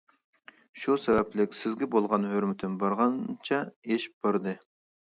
شۇ سەۋەبلىك سىزگە بولغان ھۆرمىتىم بارغانچە ئېشىپ باردى.